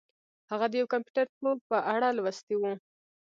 هغه د یو کمپیوټر پوه په اړه لوستي وو